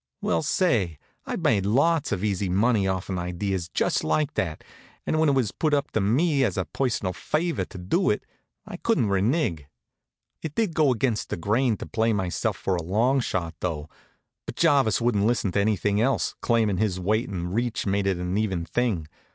Well, say, I've made lots of easy money off'n ideas just like that, and when it was put up to me as a personal favor to do it, I couldn't renig. It did go against the grain to play myself for a longshot, though; but Jarvis wouldn't listen to anything else, claimin' his weight and reach made it an even thing.